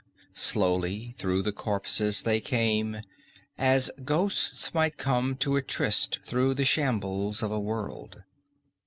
Slowly through the corpses they came, as ghosts might come to a tryst through the shambles of a world.